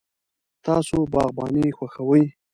تاسو باغباني خوښوئ؟